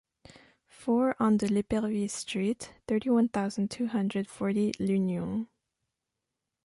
four on de l’epervier street, thirty-one thousand two hundred forty L’Union